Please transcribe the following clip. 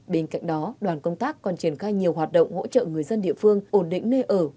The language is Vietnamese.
bên cạnh đó đoàn công tác còn triển khai nhiều hoạt động hỗ trợ người dân địa phương ổn định nơi ở